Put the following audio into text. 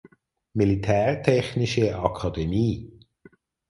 Militärtechnische Akademie.